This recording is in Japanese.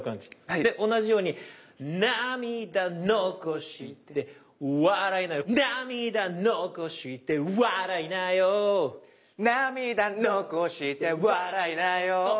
で同じように「涙残して笑いなよ」。「涙残して笑いなよ」「涙残して笑いなよ」そう。